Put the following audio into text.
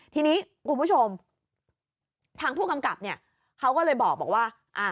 ทีนี้คุณผู้ชมทางผู้กำกับเนี่ยเขาก็เลยบอกว่า